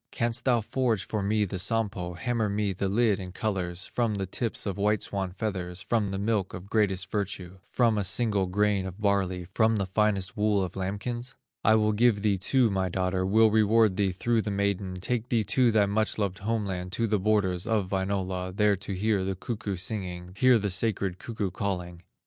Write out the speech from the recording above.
Canst thou forge for me the Sampo, Hammer me the lid in colors, From the tips of white swan feathers From the milk of greatest virtue, From a single grain of barley, From the finest wool of lambkins? "I will give thee too my daughter, Will reward thee through the maiden, Take thee to thy much loved home land, To the borders of Wainola, There to hear the cuckoo singing, Hear the sacred cuckoo calling."